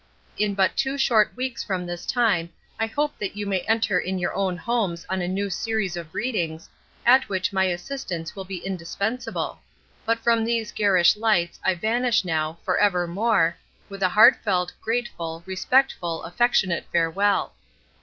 'In but two short weeks from this time I hope that you may enter in your own homes on a new series of readings, at which my assistance will be indispensable; but from these garish lights I vanish now, for evermore, with a heartfelt, grateful, respectful, affectionate farewell.